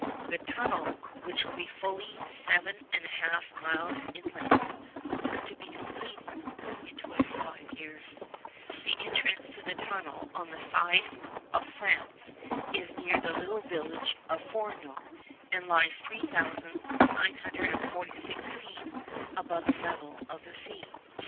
The tunnel—which will be fully seven and a half miles in length—was to be completed in twenty five years. The entrance to the tunnel on the side of France is near the little village of Fourneau, and lies 3,946 feet above the level of the sea.